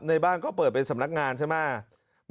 ในบ้านก็เปิดเป็นสำนักงานใช่ไหม